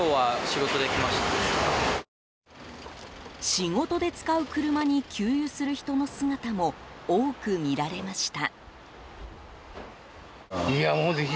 仕事で使う車に給油する人の姿も多く見られました。